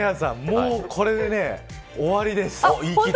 もうこれで終わりです。